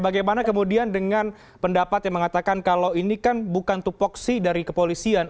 bagaimana kemudian dengan pendapat yang mengatakan kalau ini kan bukan tupoksi dari kepolisian